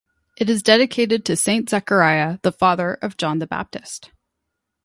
It is dedicated to Saint Zechariah, the father of John the Baptist.